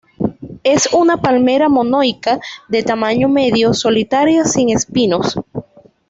Es una palmera monoica de tamaño medio, solitaria, sin espinos.